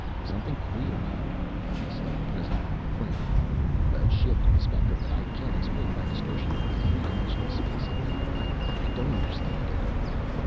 "Something queer here," he said presently, frowning. "A shift of the spectrum that I can't explain by distortion through three dimensional space alone. I don't understand it."